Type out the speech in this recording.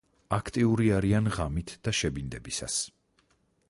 აქტიური არიან ღამით და შებინდებისას.